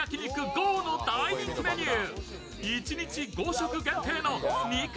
ごぉの大人気メニュー。